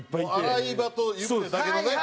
洗い場と湯船だけのね。